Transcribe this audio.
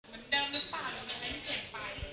มันดำหรือเปล่ามันอะไรที่เปลี่ยนไป